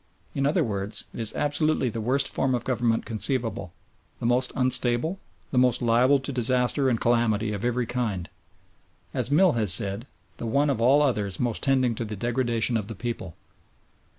In other words, it is absolutely the worst form of government conceivable; the most unstable, the most liable to disaster and calamity of every kind. As Mill has said, the one of all others most tending to the degradation of the people.